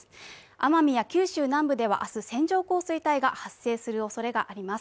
奄美や九州南部では明日線状降水帯が発生するおそれがあります。